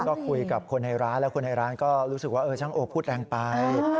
ก็คุยกับคนในร้านแล้วคนในร้านก็รู้สึกว่าช่างโอพูดแรงไป